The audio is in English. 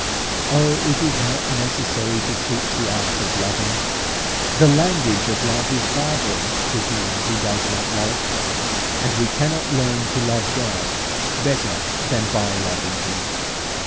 Oh! it is not necessary to teach the art of loving. The language of love is barbarous to him who does not love; and we cannot learn to love God better than by loving Him.